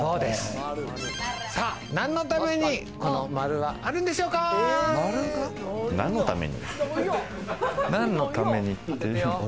何のためにこの丸はあるんでしょ何のために？